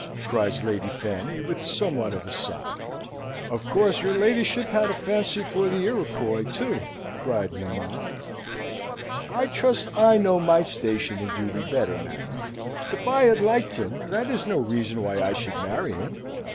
cries Lady Fanny, with somewhat of a sigh. "Of course, your ladyship had a fancy for the Iroquois, too!" cried mamma. "I trust I know my station and duty better, madam! If I had liked him, that is no reason why I should marry him.